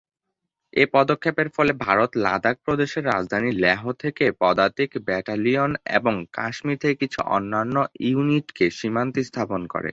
এই পদক্ষেপের ফলে ভারত লাদাখ প্রদেশের রাজধানী লেহ থেকে পদাতিক ব্যাটালিয়ন এবং কাশ্মীর থেকে কিছু অন্যান্য ইউনিটকে সীমান্তে স্থাপন করে।